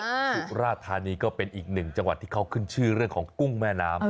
สุราธานีก็เป็นอีกหนึ่งจังหวัดที่เขาขึ้นชื่อเรื่องของกุ้งแม่น้ำ